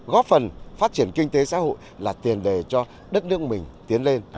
góp phần phát triển kinh tế xã hội là tiền đề cho đất nước mình tiến lên